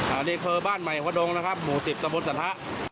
อันนี้คือบ้านใหม่หัวดงนะครับหมู่สิบตะบนสะทะ